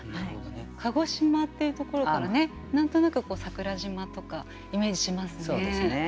鹿児島っていうところからね何となく桜島とかイメージしますね。